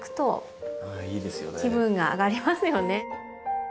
気分が上がりますよね。